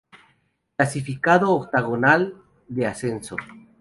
Clasificado octogonal de Ascenso.